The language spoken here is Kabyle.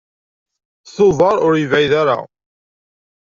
Tubeṛ ur yebɛid ara.